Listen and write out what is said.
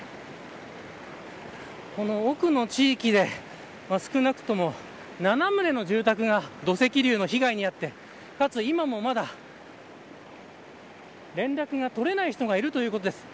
この奥の地域で、少なくとも７棟の住宅が土石流の被害に遭ってかつ今もまだ連絡が取れない人がいるということです。